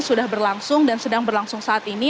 sudah berlangsung dan sedang berlangsung saat ini